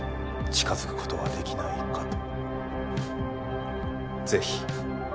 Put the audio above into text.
近づく事はできないかと。